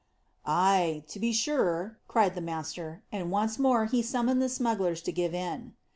"Ay, to be sure," cried the master; and once more he summoned the smugglers to give in.